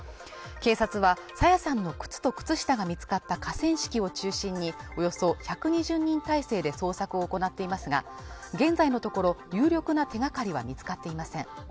警察は朝芽さんの靴と靴下が見つかった河川敷を中心におよそ１２０人態勢で捜索を行っていますが現在のところ有力な手がかりは見つかっていません